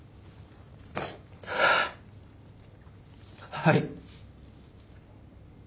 はい。